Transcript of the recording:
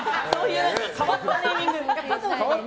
変わったネーミング。